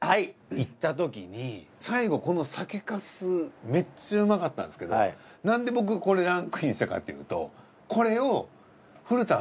行ったときに最後この酒粕めっちゃうまかったんですけどなんで僕これランクインしたかっていうとこれを。